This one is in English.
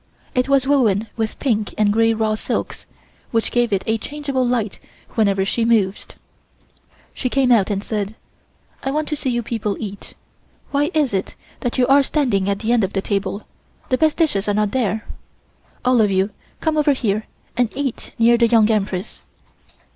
It was woven with pink and gray raw silks, which gave it a changeable light whenever she moved. She came out and said: "I want to see you people eat; why is it that you are standing at the end of the table, the best dishes are not there? All of you come over here and eat near the Young Empress."